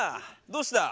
どうした？